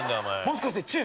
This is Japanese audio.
もしかして中？